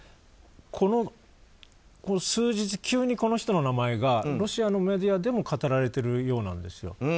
この数日、急にこの人の名前がロシアのメディアでも語られているようなんです。